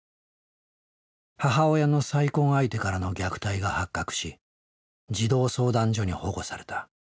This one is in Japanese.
母親の再婚相手からの虐待が発覚し児童相談所に保護された。